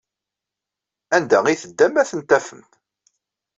Anda ma teddam, ad tent-tafem.